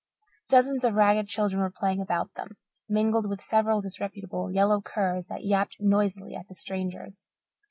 Dozens of ragged children were playing about them, mingled with several disreputable yellow curs that yapped noisily at the strangers.